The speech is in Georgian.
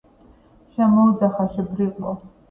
შემოუძახა: - შე ბრიყვო!